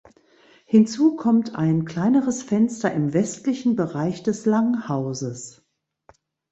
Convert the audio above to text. Hinzu kommt ein kleineres Fenster im westlichen Bereich des Langhauses.